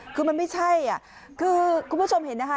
คือมันไม่ใช่คือคุณผู้ชมเห็นนะคะ